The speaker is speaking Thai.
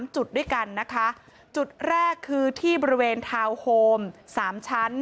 จุดด้วยกันนะคะจุดแรกคือที่บริเวณทาวน์โฮม๓ชั้น